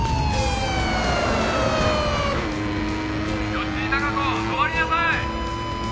「吉井孝子止まりなさい！」